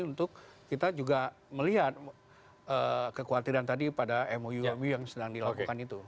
untuk kita juga melihat kekhawatiran tadi pada mou mou yang sedang dilakukan itu